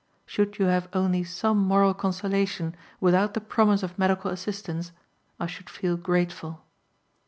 Should you have only some moral consolation without the promise of medical assistance I should feel grateful."